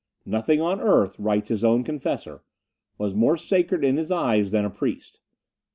"Nothing on earth," writes his own confessor, "was more sacred in his eyes than a priest.